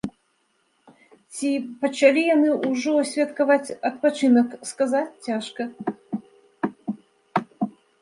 Ці пачалі яны ўжо святкаваць адпачынак, сказаць цяжка.